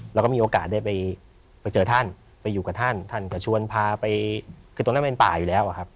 เราก็มีโอกาสได้ไปเจอท่านไปอยู่กับท่านท่านก็ชวนพาไปคือตรงนั้นเป็นป่าอยู่แล้วอะครับ